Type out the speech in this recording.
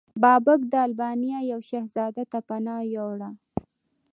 بابک د البانیا یو شهزاده ته پناه یووړه.